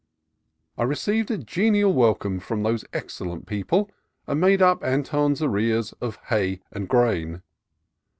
I received a genial welcome from these excellent people, and made up Anton's arrears of hay and grain.